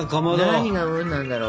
何が「うん」なんだろう？